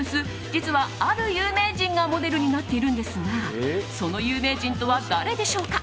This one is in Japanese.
実は、ある有名人がモデルになっているんですがその有名人とは誰でしょうか。